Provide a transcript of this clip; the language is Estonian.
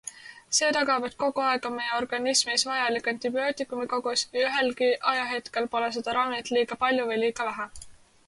See tagab, et kogu aeg on meie organismis vajalik antibiootikumikogus ja ühelgi ajahetkel pole seal ravimit liiga palju või liiga vähe.